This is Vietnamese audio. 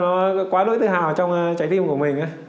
nó quá đối tư hào trong trái tim của mình